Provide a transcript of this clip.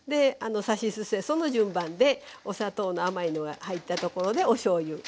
「さしすせそ」の順番でお砂糖の甘いのが入ったところでおしょうゆ。